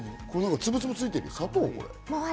つぶつぶついてるよ、砂糖？